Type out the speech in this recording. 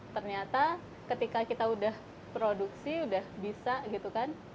ternyata ketika kita udah produksi udah bisa gitu kan